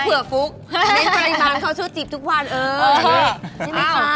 เผื่อฟลุกมีปริมาณเขาช่วยจีบทุกวันเออใช่ไหมคะ